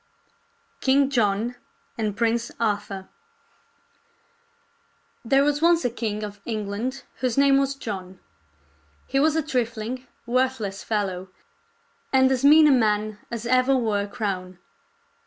KING JOHN AND PRINCE ARTHUR There was once a king of England whose name was John. He was a trifling, worthless fellow, and as mean a man as ever wore a crown.